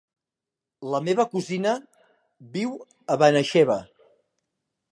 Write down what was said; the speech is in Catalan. La meva cosina viu a Benaixeve.